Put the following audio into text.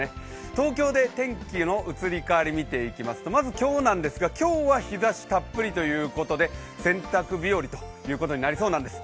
東京で天気の移り変わり見ていきますとまず今日なんですが、今日は日ざしたっぷりということで洗濯日和ということになりそうなんです。